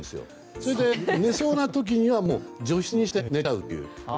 それで、寝そうな時には除湿にして寝ちゃうっていう。